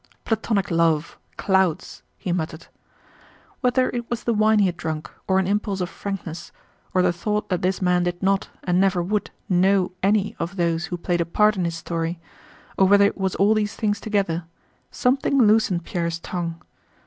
"Platónic love, clouds..." he muttered. Whether it was the wine he had drunk, or an impulse of frankness, or the thought that this man did not, and never would, know any of those who played a part in his story, or whether it was all these things together, something loosened Pierre's tongue.